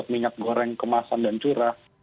minyak goreng kemasan dan curah